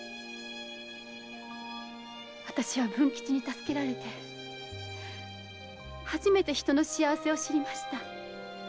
私は文吉に助けられて初めて人の幸せを知りました。